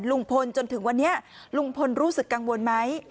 จนถึงวันนี้ลุงพลรู้สึกกังวลไหม